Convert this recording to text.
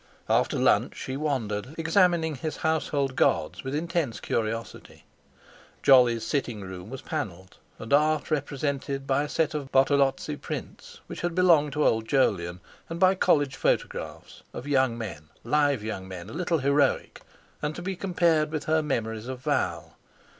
After lunch she wandered, examining his household gods with intense curiosity. Jolly's sitting room was panelled, and Art represented by a set of Bartolozzi prints which had belonged to old Jolyon, and by college photographs—of young men, live young men, a little heroic, and to be compared with her memories of Val.